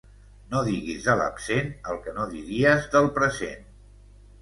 No diguis de l'absent el que no diries del present.